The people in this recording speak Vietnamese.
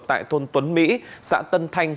tại thôn tuấn mỹ xã tân thanh